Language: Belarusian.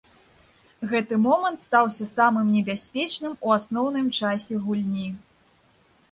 Гэты момант стаўся самым небяспечным у асноўным часе гульні.